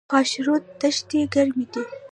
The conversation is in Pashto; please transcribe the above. د خاشرود دښتې ګرمې دي